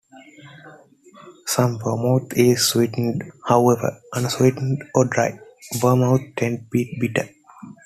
Some vermouth is sweetened; however, unsweetened or dry, vermouth tends to be bitter.